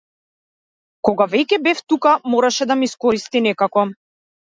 Кога веќе бев тука мораше да ме искористи некако.